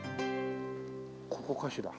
ここかしら？